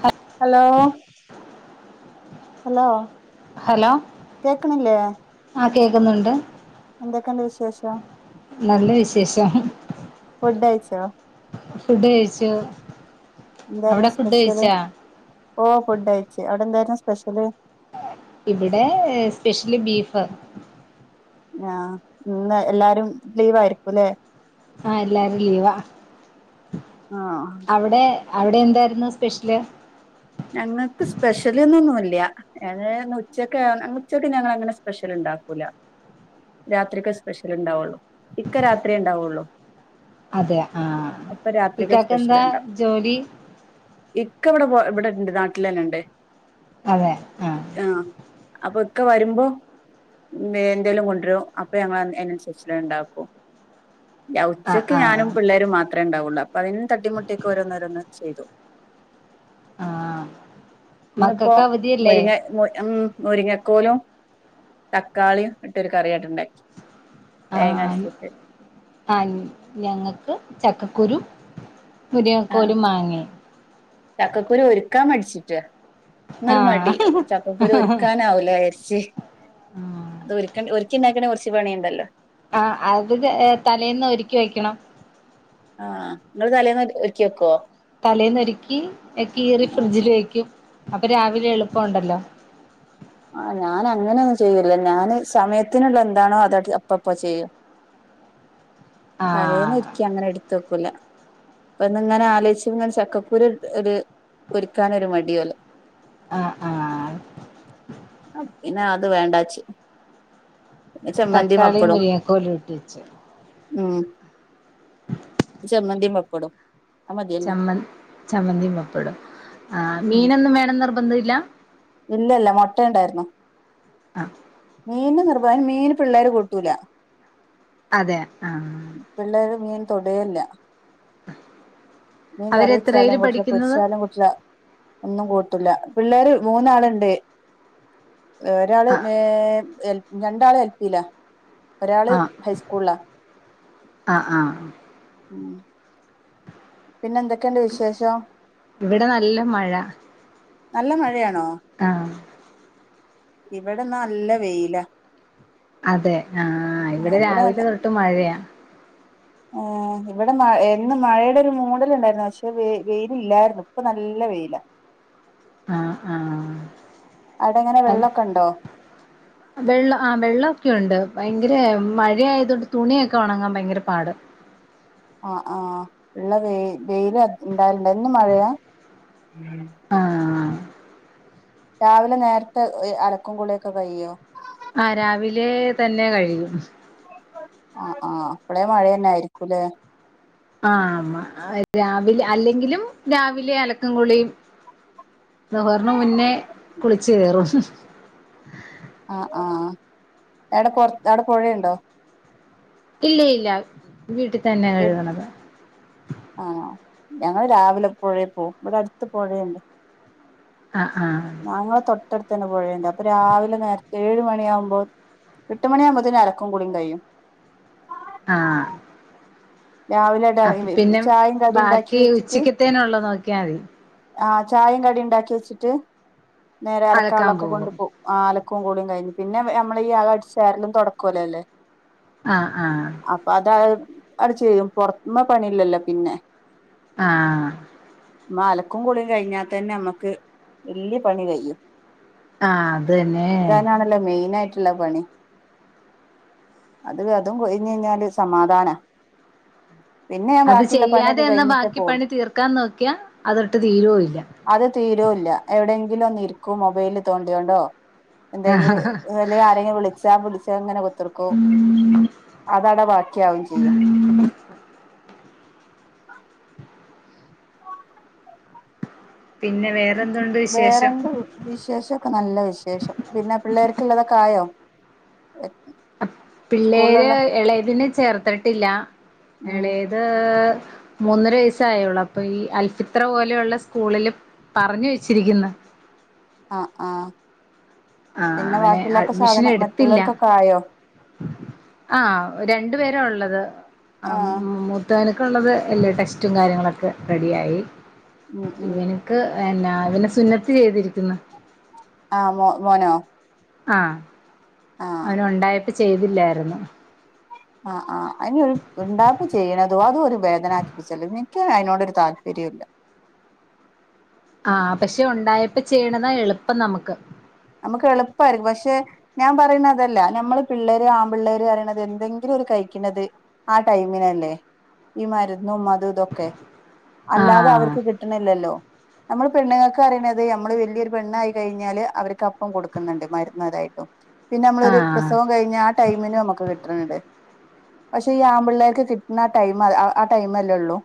ഹൽ hello. Hello കേക്കണില്ലേ. ആഹ് കേക്കുന്നുണ്ട്. എന്തൊക്കെണ്ട് വിശേഷം. നല്ല വിശേഷം. ഫുഡ് ക‌ഴ്ച്ചോ? ഫുഡ് കഴിച്ചു അവടെ ഫുഡ് കഴിച്ചാ? ഓഹ് ഫുഡ് അയച്ച് അവടെ എന്തായിരുന്നു സ്പെഷ്യല്? ഇവിടെ സ്പെഷ്യല് ബീഫ്. ആഹ് ഇന്ന് എല്ലാരും ലീവായിരി ആഹ് എല്ലാരും ലീവാ ആഹ് അവി ടെ അവ്ടെ എന്തായിരുന്നു സ്പെഷ്യല്? ഞങ്ങക്ക് സ്പെഷ്യലന്നൊന്നുല്ല. ഏഹ് ഉച്ചക് ഉച്ചക്ന്നെ ഞങ്ങളങ്ങനെ സ്പെഷ്യല് ഇണ്ടാക്കൂല. രാത്രിക്കെ സ്പെഷ്യല് ഇണ്ടാവൊള്ളൂ ഇക്ക രാത്രിയേ ഇണ്ടാവുള്ളൂ. അതെ ആഹ് രാത്രിക്ക് സ്പെഷ്യൽ ഇക്കാക്കെന്താ ഉണ്ടാവും ജോലി? ഇക്ക ഇവടെ പോ ഇവിടെണ്ട് നാട്ടിൽ തന്നെണ്ട് അതെ ആ ആഹ് അപ്പൊ ഇക്ക വരുമ്പോ വെ എന്തെലും കൊൻഡറും അപ്പൊ ഞങ്ങൾ അയിനനുസരിച്ചി ഇണ്ടാക്കും. ആ ഉച്ചക്ക് ആ ഞാനും പിള്ളേരും മാത്ര ത്ര ഇണ്ടാവൊള്ളൂ അപ്പൊ അയ്ന് തട്ടിമുട്യോക്കെ ഓരോന്നോരോന്ന് ചെയ്തു. ആഹ്. ഇന്ന്പ്പോ മുരിങ്ങ മുരി ഉം. മുരിങ്ങക്കോലും തക്കാളിയും ഇട്ടൊരു കറിയായിട്ടുണ്ടാക്കി. ആഹ് ആഹ് ഞങ്ങക്ക് ചക്കക്കുരു. മുരിങ്ങകോലും മാങ്ങേം. ചക്കക്കൂരു ഒരുക്കാ മടിച്ചിട്ട് ആ ഇന്നൊര് മടി ചക്കക്കൂരു ഒരുക്കാനാവൂലരി ച് അത് ഒര്ക്കണ്ടേ ഒരുക്കിണ്ടക്ക്ണെ റച് പണിണ്ടല്ലോ. ആഹ് അത് തലേന്ന് ഒരുക്കി വെക്കണം. ആഹ് ഇങ്ങള് തലേന്ന് ഒര്ക്കി വെക്കോ? തലേന്നൊരുക്കി കീറി ഫ്രിഡ്ജില് വെക്കും അപ്പൊ രാവിലെ എളുപ്പം ഇണ്ടല്ലോ. ആഹ് ഞാൻ അങ്ങനൊന്നും ചെയ്യൂല്ല ഞാന് സമയത്തിനുള്ള എന്താണോ അത അപ്പപ്പ ചെയ്യ. തലേന്ന് ആഹ് ഒരിക്കി അങ്ങനെ എട്ത്ത് വെക്കൂല. ഇപ്പന്ന്ങ്ങനെ ആലോയ്ച്ച് ങ്ങനെ ചക്കക്കുര് ഒരു ഒര്ക്കാനൊരു മടിഓലെ. ആഹ് ആഹ് പിന്നെ അത് വേണ്ടാച്ചു തക്കാളി മുരിങ്ങ കോല് ഇട്ടുവെച്ചു ഉം ചമ്മന്തിയും പപ്പടും ചമ്മന് ചമ്മന്തിയും പപ്പടും ആഹ് മീനൊന്നും വേണോന്നു നിർബന്ധമില്ല ഇല്ല ഇല്ല മുട്ടയുണ്ടായിരുന്നു ആഹ് മീൻ നിർഭായന് മീന് പിള്ളേര് കൂട്ടൂല അതെ ആഹ് പിള്ളേര് മീൻ തൊടയെയില്ല മീൻ അവരെത്രയില് കറിവെച്ചാലും കൂട്ടില്ല പഠിക്കുന്നത് പൊരിച്ചാലും കൂട്ട ട്ടില്ല ഒന്നും കൂട്ടില്ല പിള്ളേര് മൂന്നാളുണ്ട് ഒരാള് ആഹ് ഏഹ് രണ്ടാള് എൽപയിലാ ഒരാള് ആഹ് ഹൈസ്കൂളിലാ ആഹ് ആഹ് ഉം പിന്നെ എന്തൊക്കെയുണ്ട് വിശേഷം ഇവിടെ നല്ല മഴ നല്ല മഴയാണോ ആഹ് ഇവിടെന്ന നല്ല വെയില അതെ ആഹ ഇവിടെ രാവിലെ തൊട്ട് മഴയാ ഏഹ് ഇവിടെ മ ഇന്ന് മഴയുടെ ഒരു മൂടിലുണ്ടായിരുന്നു പക്ഷെ വ വെയിലല്ലായിരുന്നു ഇപ്പൊ നല്ല വെയില ആഹ് ആഹ് അവിടെ എങ്ങനെ വെള്ളമൊക്കെ ഉണ്ടോ വെള്ളം ആഹ് വെള്ളമൊക്കെ ഉണ്ട് ഭയങ്കര മഴയായതൊണ്ട് തുണിയൊക്കെ ഉണങ്ങാൻ ഭയങ്കര പാട് ആഹ് ആഹ് ഉള്ള വെ വെയില് ഇണ്ടായിണ്ട ഇന്ന് മഴയാ ആഹ് രാവിലെ നേരത്തെ അലക്കും കുളിയൊക്കെ കഴിയോ ആഹ് രാവിലെ തന്നെ കഴിയും ആഹ് ആഹ് അപ്പളെ മഴ തന്നെ ആയിരിക്കൂലേ ആഹ് ആഹ് രാവിലെ അല്ലെങ്കിലും രാവിലെ അലക്കും കുളീം ളുഹർന് മുന്നേ കുളിച്ചു കയറും ആഹ് ആഹ് എവിടെ പുറ അവിടെ പുഴയുണ്ടോ ഇല്ല ഇല്ല വീട്ടിൽ തന്നെ കഴുകണത് ആഹ് ഞങ്ങള് രാവിലെ എ പുഴേ പോവും ഇവിടെ അടുത്ത് പുഴേണ്ട് ആഹ് ആഹ് ഞങ്ങടെ തൊട്ടടുത്ത തന്നെ പോഴേണ്ട് അപ്പൊ രാവിലെ നേരത്തെ ഏഴ് മണിയ ആകുമ്പോ എട്ട് മണിയകുമ്പോത്തന്നന് അലക്കും കുളിയും കഴിയും ആഹ് രാവിലൊയിട്ട അപ്പൊ ഇറങ്ങി പിന്നെ ചായയും കറിയും ഉണ്ടാക്കി ബാക്കി വെച്ചിട്ട് ഉച്ചക്കത്തേനുള്ള നോക്കിയാൽ മതി ആഹ് ചായയും കടിയ ഉണ്ടാക്കി വെച്ചിട്ട് നേരെ അലക്കാൻ അലക്കാള്ളൊക്കെ കൊണ്ടു പോകും പോവും ആഹ് അലക്കും കുളിയും കഴിഞ്ഞു പിന്നെ നമ്മള ഈ ആകം അടിച്ച് വാരലും തുടക്കല്ലേ അല്ലേ ആഹ് ആഹ് അപ്പൊ അത അടച്ച് ചെയ്യും പുറത്തുന്ന് പണിയില്ലല്ലോ പിന്നെ ആഹ് അലക്കും കുളിയും കഴിഞ്ഞാൽ തന്നെ നമ്മക്ക് വല്യ പണി കഴിയും ആഹ് അത് തന്നെ ല്ല മെയിൻ ആയിട്ടുള്ള പണി അത് അതും കഴഞ്ഞ് കഴിഞ്ഞാല് സമാധാന പിന്നെ ഞാൻ അത് ബാക്കിയുള്ള ചെയ്യാതെ പണിയൊക്കെ എന്ന കഴിഞ്ഞിട്ടേ പോളൂ ബാക്കിപ്പണി തീർക്കാൻ നോക്കിയാ അതൊട്ട് തീരുക ഇല്ല അത് തീരൂല്ല എവിടെയെങ്കിലും ഒന്ന് ഇരിക്കൂ മൊബൈലിൽ തോണ്ടിയോണ്ടോ എന്തെങ്കിലും അല്ല ആരെങ്കിലും വിളിച്ചാ വിളിച്ചാ അങ്ങനെ ത്രക്കോ അത് അവിടെ വക്കിയാവയും ചെയ്യും ആ [inaudible] പിന്നെ വേറെ വേറെ എന്ത്‌ വിശേഷമൊക്കെ നല്ല വിശേഷം പിന്നെ പിള്ളേർക്കുള്ളതൊക്കെ ആയോ പിള്ളേര് സ്കൂളിലുള്ള എളേയ്തിനേ ചേർത്തിട്ടില്ല ഉം എളേ ത് മൂന്നര വയസായുള്ളു അപ്പൊ ഈ അൽഫിത്ര പോലെയുള്ള സ്കൂളില് പറഞ്ഞു വെച്ചിരിക്കുന്ന് ആഹ് ആഹ് ആ പിന്നെ അവനെ ബാക്കിയുള്ളൊക്കെ സാധനം മറ്റുള്ളവർക്കൊക്കെ ആയോ ആഹ് രണ്ടു പേരാ ഉള്ളത് ആ ആഹ് മു കിട്ടാനൊക്കെ ഉള്ളത് എല്ലാം ടെസ്റ്റും കാര്യങ്ങളൊക്കെ റെഡിയായി ഉം ഉം ഇങ്ങനെ ക്ക് എന്നാ അവന് സുന്നത്ത് ചെയ്തിരിക്കുന്ന് ആഹ് മോ മോനോ ആഹ് ആ അവന് ഉണ്ടായപ്പോ ചെയ്തില്ലായിരുന്നു ആഹ് ആഹ് അതിനൊരു ണ്ടായപ്പോ ചെയ്യണതു അതും ഒരു വേദനാക്കി ച്ചാലും ഇൻക്ക് അയിനോടൊരു താല്പര്യം ഇല്ല ആഹ് പക്ഷെ ഉണ്ടായപ്പം ചെയ്യണതാ എളുപ്പം നമുക്ക് നമുക്ക് എളുപ്പമായിരിക്കും പക്ഷെ ഞാൻ പറയുന്നെ അതല്ല നമ്മള് പിള്ളേര് ആൺപിള്ളേര് പറയണത് എന്തെങ്കിലും ഓര് കഴിക്കണത് ആ ടൈമിനല്ലേ ഈ മരുന്നും അതും ഇതൊക്കെ അല്ലാതെ ആഹ് അവർക്ക് കി ട്ട്ണില്ലല്ലോ നമ്മള് പെണ്ണുങ്ങൾക്ക് അറീണത് അമ്മള് വല്യൊരു പെണ്ണായി കഴിഞ്ഞാല് അവര് ക്കപ്പം കൊടുക്കുന്നുണ്ട് മരുന്നരായിട്ടും പിന്നെ നമ്മളൊരു ആഹ് പ്രസവം കഴിഞ്ഞ് ആ ടൈമിനും അമ്മക്ക് കിട്ട്ണ് ണ്ട് പക്ഷേ ഈ ആൺപിള്ളേർക്ക് കിട്ടുന്ന ആ ടൈം ആഹ് ആഹ് ടൈമല്ലേ ഉള്ളൂ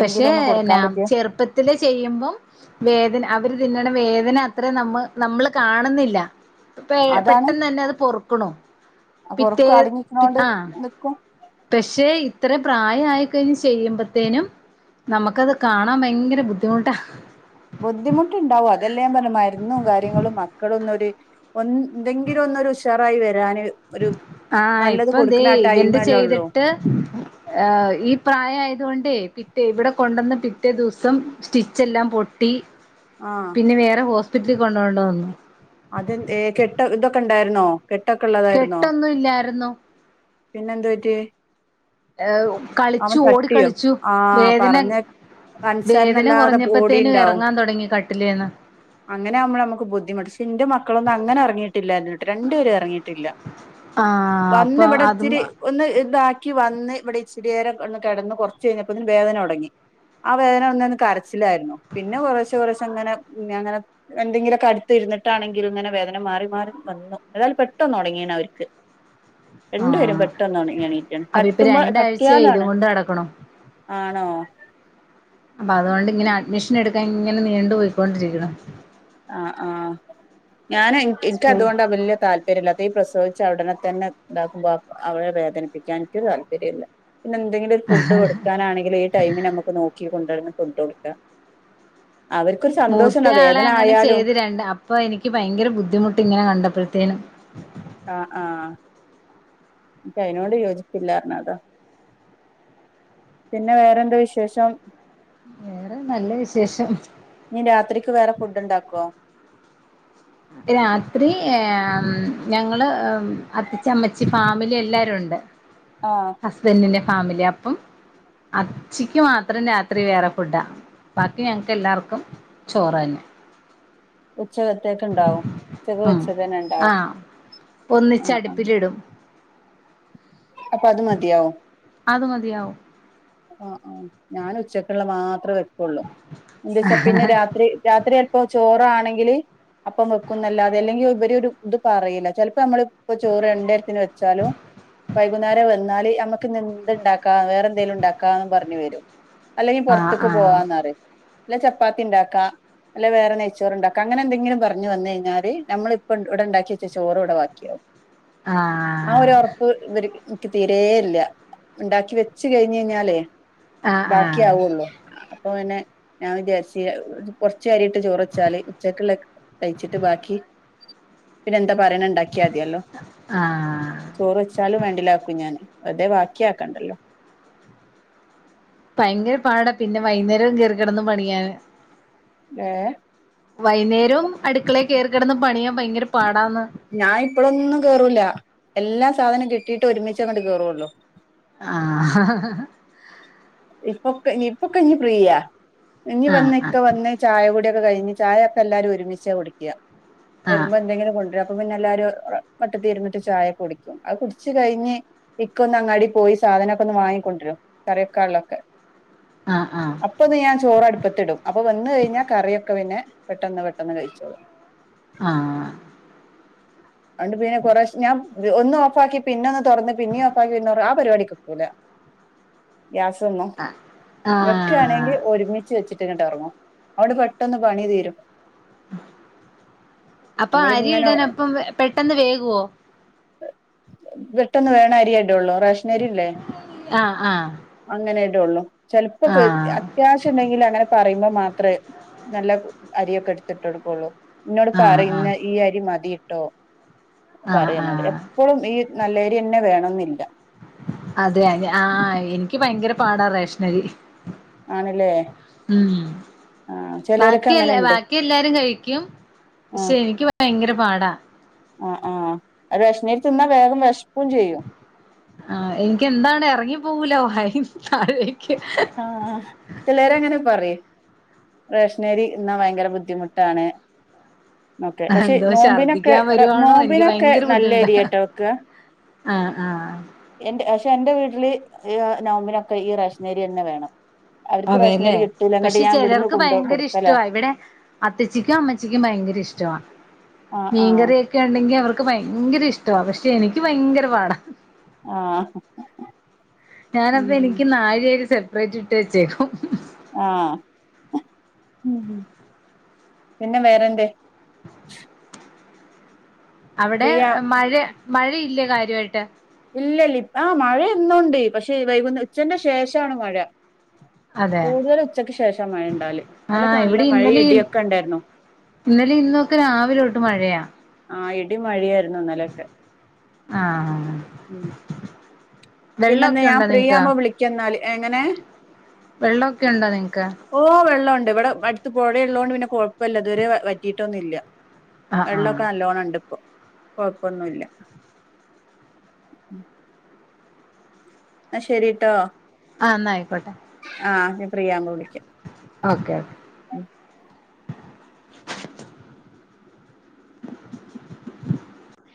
പക്ഷെ ഒന്ന് എന്നാ കൊടുക്കാൻ പറ്റിയ ചെറുപ്പത്തില് ചെയ്യുമ്പം വേദന അവര് തിന്നണ വേദന അത്രയും നമ്മ നമ്മള് കാണുന്നില്ല പെ അതാണ് പെട്ടെന്ന് തന്നെ അത് പൊറുക്ക്ണു പിറ്റേ ആഹ് കും പക്ഷെ ഇത്ര പ്രായായിക്കഴിഞ്ഞ് ചെയ്യുമ്പത്തേനും നമുക്കത് കാണാൻ ഭയങ്കര ബുദ്ധിമുട്ടാ ബുദ്ധിമുട്ട്ണ്ടാവും അതല്ല ഞാൻ പറഞ്ഞ് മരുന്നും കാര്യങ്ങളും മക്കള് ഒന്നൊര് ഒന്ന് ന്തെങ്കിലും ഒന്നൊരു ഉഷാറായി വരാന് ഒരു ആഹ് നല്ലത് ഇപ്പം ദേ കൊടുക്കണ ആ ഇവന്റെ ടൈമല്ലേ ഉള്ളൂ ചെയ്തിട്ട് ഏഹ് ഈ പ്രായം ആയത് കൊണ്ടേ പിറ്റേ ഇവിടെ കൊണ്ടെന്നെ പിറ്റേ ദിവസം സ്റ്റിച്ചെല്ലാം പൊട്ടി ആഹ് നി വേറെ ഹോസ്പിറ്റ്ല് കൊണ്ടോണ്ട വന്നു അതെന്തേ കെട്ട് ഇതൊക്കെ ണ്ടായിരുന്നോ കെട്ടൊക്കെ ഉള്ളതായിരുന്നോ കെട്ടൊന്നും ഇല്ലായിരുന്നു പിന്നെന്തു പറ്റി ഏഹ് അവൻ കളിച്ചു തട്ടിയോ ഓടിക്കളിച്ചു ആഹ് വേദന പറഞ്ഞ അൻസര്ണ വേദന ഇല്ലാതെ കുറഞ്ഞപ്പത്തേനും ഓടിയ്ണ്ടാവും ഇറങ്ങാൻ തുടങ്ങി കട്ടിലേന്ന് അങ്ങനെയാവുമ്പം നമുക്ക് ബുദ്ധിമുട്ട് ഷെ ന്റെ മക്കളൊന്നും അങ്ങനെ എറങ്ങിയിട്ടില്ലായിരുന്നിട്ട് രണ്ടുപേരും എ റങ്ങിയിട്ടില്ല ആഹ് വന്ന് അപ്പൊ ഇവിടെ അതും ഇച്ചിരി ഒന്ന് ഇതാക്കി വന്ന് ഇവിടെ ഇച്ചിരിയേരം ഒന്ന് കിടന്ന് കുറച്ച് കഴിഞ്ഞപ്പോത്തേന് വേദന തുടങ്ങി ആ വേദന വന്നെ ന്ന് കര ച്ചിലായിരുന്നു പിന്നെ കൊറേശെ കൊറേഷങ്ങനെ ഞാ ങ്ങനെ എന്തെങ്കിലൊക്കെ അടുത്ത് ഇരുന്നി ട്ടാണെങ്കിലും ഇങ്ങനെ വേദന മാറി മാറി വന്നു ഏതായാലും പെട്ടെന്ന് ഉണങ്ങിണ് അവർക്ക് രണ്ടു പേരും ആഹ് പെട്ടന്നൊണങ്ങി എണീറ്റ്ണ് അപ്പൊ ഇപ്പൊ തട്ടുമ്പോ രണ്ടാഴ്ചയായി ഇതും തട്ടിയാലാണ് കൊണ്ട് നടക്കണു ആണോ അപ്പൊ അതുകൊണ്ട് ഇങ്ങനെ അഡ്മിഷൻ എടുക്കാൻ ഇങ്ങനെ നീണ്ടു പോയികോണ്ടിരിക്കണു ആഹ് ആഹ് ഞാനേ ഇൻ ഇന്ക് സ്കൂൾ അതുകൊണ്ടാ വല്യെ താല്പ ര്യല്ലാത്തെ ഈ പ്രസവിച്ച ഉടനെ തന്നെ ഇതാക്കുമ്പോ അവരെ വേദനിപ്പിക്കാനിൻക്കൊരു താല്പര്യം ഇല്ല പിന്നെ എന്തെങ്കിലും ഒരു ഫുഡ് കൊടു കൊടുക്കാനാണെങ്കിലു ഈ ടൈമിന് നമുക്ക് നോക്കി കൊണ്ടട്ന്ന് ഫുഡ്ഡട്ക്കാ അവര് ക്ക് സന്തോഷണ് ആ വേദ- മൂത്തയാളെ അങ്ങനെ ചെയ്തി രണ്ട് അപ്പൊ എനിക്ക് ഭയങ്കര ബുദ്ധിമുട്ട് ഇങ്ങനെ കണ്ടപ്പോഴത്തേനും ആഹ് ആഹ് പക്ഷെ അതിനോട് യോജിപ്പില്ല എന്നതാ. പിന്നെ വേറെന്താ വിശേഷം? അങ്ങനെ നല്ല വിശേഷം. ഇനി രാത്രിക്ക് വേറെ ഫുഡ് ഉണ്ടാക്കുവോ? രാത്രി ഏഹ് ഞങ്ങള് അത്തച്ചമ്മച്ചി ഫാമിലി എല്ലാരും ഉണ്ട്. ആഹ് ഹുസ്ബൻഡിന്റെ ഫാമിലി അപ്പം അച്ചക്ക് മാത്രം രാത്രി വേറെ ഫുഡാ. ബാക്കി ഞങ്ങൾക്ക് എല്ലാവർക്കും ചോറ് തന്നെ. ഉച്ചക്കെത്തേക്ക് ഉണ്ടാവും ഉച്ചക്ക് ഉം വെച്ചത് തന്നെ ഉണ്ടാവും. ആഹ് ഒന്നിച്ച് ആഹ് അടുപ്പിൽ ആഹ് ഇടും. അപ്പൊ അത് മതിയോ? അത് മതിയാവും. ആഹ് ആഹ് ഞാൻ ഉച്ചക്കുള്ള മാത്രമേ വെക്കുള്ളൂ എന്താ വച്ചാൽ പിന്നെ രാത്രി. രാത്രി ചിലപ്പോ ചോറ് ആണെങ്കില്. അപ്പം വെക്കുന്നല്ലാതെ അല്ലെങ്കിൽ ഇവര് ഒരു ഇത് പറയില്ല ചിലപ്പോ നമ്മള്. ഇപ്പൊ ചോറ് രണ്ട് നേരത്തിന് വെച്ചാലും വൈകുന്നേരം വന്നാല് ഞമ്മ ക്കുന്നു എന്തു ഉണ്ടാക്കാം വേറെ എന്തേലും ഉണ്ടാക്കാം പറഞ്ഞു വരും. അല്ലെങ്കിൽ ആഹ് പുറത്തേക്ക് ആഹ് പോവായെന്ന് പറയും, അല്ലേ ചപ്പാത്തി ഉണ്ടാക്കാം. അല്ല വേറെ നെയ്യ് ചോറ് ഉണ്ടാക്കും അങ്ങനെ എന്തെങ്കിലും പറഞ്ഞു വന്ന് കഴിഞ്ഞാല് നമ്മള് ഇപ്പ ഇവിടെ ഉണ്ടാക്കി വെച്ച് ചോറ് ഇവിടെ ബാക്കിയാവും. [inaudible] ആഹ് ആഹ് ഒരു ഉറപ്പ് ഇവര് എനിക്ക് തീരെ ഇല്ല ഉണ്ടാക്കി വെച്ചു കഴിഞ്ഞു കഴിഞ്ഞാലേ. ആഹ് ബാക്കി ആഹ് ആവുള്ളൂ അപ്പൊ പിന്നെ. ഞാൻ വിചാരിച്ച് കൊറച്ച് അരി ഇട്ട് ചോറ് വെച്ചാല് ഉച്ചക്കുള്ള കഴിച്ചിട്ട് ബാക്കി. പിന്നെ എന്താ പറയാനുണ്ട്. ഉണ്ടാക്കിയാൽ മതിയല്ലോ ആഹ് ചോറ് വെച്ചാലും വേണ്ടില്ല വെക്കും ഞാന് വെറുതെ ബാക്കിയക്കേണ്ടല്ലോ. ഭയങ്കര പാടാ പിന്നെ വൈകുന്നേരവും കേറിക്കിടന്നും പണിയാന്. ഏഹ് വൈകുന്നേരം അടുക്കളയിൽ കേറി കിടന്ന് പണിയാൻ ഭയങ്കര പാടാന്ന്. ഞാൻ ഇപ്പോഴൊന്നും കേറൂല്ല എല്ലാ സാധനം കിട്ടിയിട്ട് ഒരുമിച്ചാ അങ്ങോട്ട് കേറുള്ളൂ. ആഹ് ഇപ്പൊക്കെ ഇപ്പൊക്കെ ഇനി ഫ്രീയാ ഇനി ആഹ് വന്ന്. ആഹ് ഇക്ക വന്ന് ചായ കുടിയൊക്കെ കഴിഞ്ഞ് ചായ ഒക്കെ എല്ലാരും ഒരുമിച്ച് കുടിക്കുക, ആഹ് വരുമ്പോ എന്തെങ്കിലും കൊണ്ടുവരും. അപ്പ പിന്നെ എല്ലാരും ഏഹ് വട്ടത്തിൽ ഇരുന്നിട്ട് ചായ കുടിക്കും അത് കുടിച്ച് കഴിഞ്ഞ്. ഇക്ക ഒന്ന് അങ്ങാടി പോയി സാധനം ഒക്കെ ഒന്ന് വാങ്ങിക്കൊണ്ടുവരും, കറിവെക്കാനുള്ളത്. ആഹ് ആഹ് അപ്പൊന്ന് ഞാൻ ചോറ് അടുപ്പത്തെ ഇടും അപ്പൊ വന്ന് കഴിഞ്ഞാൽ കറിയൊക്കെ പിന്നെ പെട്ടെന്ന് പെട്ടെന്ന് കഴിച്ചോളും. ആഹ് അതോണ്ട് പിന്നെ കുറേ ഞാൻ ഒന്ന് ഓഫാക്കി പിന്നെ തുറന്ന് പിന്നെയും ഓഫാക്കിയെന്ന് ആഹ് പരിപാടിക്ക്. ക്കൂല ഗ്യാസ് വന്നോ, ആഹ് വെക്കുയാണെങ്കിൽ ആഹ് ഒരുമിച്ച്. ഒരുമിച്ചു വെച്ചിട്ട് ഇങ്ങട്ട് ഇറങ്ങും, അതോണ്ട് പെട്ടെന്ന് പണി തീരും. അപ്പൊ അരി നമ്മളിങ്ങനെ ഇടാൻ അപ്പം പെട്ടെന്ന് വേക്കുമോ? പെട്ടെന്ന് വേക്കേണ് അരിയെ ഇടുള്ളൂ റേഷൻ അരിയില്ലേ, ആഹ് ആഹ് അങ്ങനെ ഇട്. ചിലപ്പോ കൊഴ് ആഹ് ക്യാഷ് ഉണ്ടെങ്കിൽ അങ്ങനെ പറയുമ്പോ മാത്രമേ നല്ല അരിയൊക്കെ എടുത്തിട്ട് കൊടുക്കുള്ളൂ. ഇന്നോട് ആഹ് പറയും ആഹ് ഇന്ന് ഈ അരി മതിട്ടോ. ആഹ് പറയെന്നോട് ആഹ് എപ്പോഴും ഈ നല്ലരി തന്നെ വേണെന്നില്ല. അതെ അതെ ആഹ് എനിക്ക് ഭയങ്കര പാടാ റേഷൻ അരി. ആണല്ലേ. ആഹ് ചിലരൊക്കെ ബാക്കിയെല്ലാ അങ്ങനെണ്ട് ബാക്കിയെല്ലാവരും കഴിക്കും പക്ഷെ ആഹ് എനിക്ക് ഭയങ്കര പാടാ. ആഹ് ആഹ് അ റേഷണരി തിന്നാൽ വേഗം വിഷക്കും ചെയ്യും. ആഹ് എനിക്ക് എന്താണ് ഇറങ്ങി പോവൂല വയന്ന് താഴേക്ക് ആഹ് ചിലരങ്ങനെ പറയൂ. റേഷ്നേരി തിന്നാ ഭയങ്കര ബുദ്ധിമുട്ടാണ്. ഓക്കെ പക്ഷെ എന്തോ നോമ്പിനൊക്കെ ഛർദ്ദിക്കാൻ വരുവാണോ എനിക്ക് നോമ്പിനൊക്കെ ഭയങ്കര നല്ല ബുദ്ധിമുട്ടാ അരിയാട്ടോ കേട്ടോ വെക്ക ആഹ് ആഹ് പക്ഷെ എന്റെ വീട്ടില് നോമ്പിനൊക്കെ ഈ റേഷശ്നേരി തന്നെ വേണം. അവർക്ക് അതെല്ലേ റേഷനരി കിട്ടൂല ഇങ്ങട്ട് പക്ഷെ ഞാൻ ഇവിടുന്ന് ചിലർക്ക് കൊണ്ടോ ഭയങ്കര കൊടുക്കലാ ഇഷ്ട്ടാ ഇവിടെ. അത്തച്ചിക്കും അമ്മച്ചിക്കും ഭയങ്കര ഇഷ്ടമാണ്. ആഹ് ആഹ് മീൻകറിയൊക്കെ ഉണ്ടെങ്കി അവർക്ക് ഭയങ്കര ഇഷ്ട പക്ഷെ എനിക്ക് ഭയങ്കര പാടാ. ആഹ് ഞാനപ്പ ഉം എനിക്ക് നാഴി അരി സെപ്പറേറ്റ് ഇട്ട് വെച്ചേക്കും. ആഹ് പിന്നെ വേറെന്തെ. അവിടെ ഫ്രീയാ മഴ മഴയില്ലേ കാര്യമായിട്ട്. ഇല്ല ആ മഴ എന്നുണ്ട് പക്ഷേ വൈകുന്ന ഉച്ചന്റെ ശേഷാണ് മഴ. അതെ കൂടുതൽ ഉച്ചക്ക് ശേഷ മഴ ഉണ്ടാകല് ഇന്നലൊക്കെ ആഹ് ഇവിടെ നല്ല മഴയും ഇന്നലെ ഇടിയൊക്കെ ഉണ്ടായിരുന്നു. ഇന്നലെ ഇന്നൊക്കെ രാവിലെട്ട് മഴയാ. ആഹ് ഇടി മഴിയായിരുന്നു ഇന്നലൊക്കെ ആഹ് ഉം പിന്നെന്താ വെള്ളമൊക്കെ ഞാൻ ഉണ്ടോ നിങ്ങക്ക് ഫ്രീയാകുമ്പോ വിളിക്ക എന്നാല് എങ്ങനെ. വെള്ളമൊക്കെ ഉണ്ടോ നിങ്ങക്ക് ഓ വെള്ളണ്ട് ഇവിടെ അടുത് പുഴയുള്ളതോണ്ട് പിന്നെ കൊഴപ്പല്ല ഇതുവരെ വറ്റിട്ടൊന്നും ഇല്ല. ആഹ് ആഹ് വെള്ളമൊക്കെ നല്ലോണം ഇണ്ട് ഇപ്പൊ കൊഴപ്പൊന്നുല്ല. ആഹ് ശരിട്ടോ. ആഹ് ന്ന ആയിക്കോട്ടെ. ആഹ് ഞാൻ ഫ്രീയാകുമ്പോ വിളിക്കാം. Okay okay [inaudible]